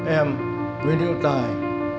em nguyễn hiệu tài